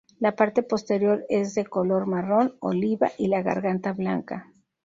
La parte posterior es de color marrón oliva y la garganta blanca.